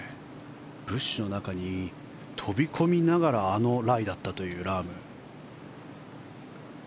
ブッシュの中に飛び込みながらあのライだったというラーム。